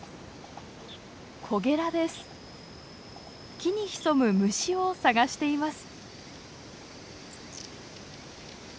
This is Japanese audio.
木に潜む虫を探しています。